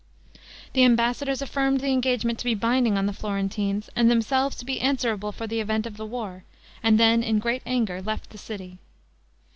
The ambassadors affirmed the engagement to be binding on the Florentines, and themselves to be answerable for the event of the war; and then in great anger left the city.